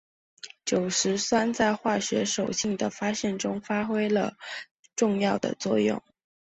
酒石酸在化学手性的发现中发挥了重要的作用。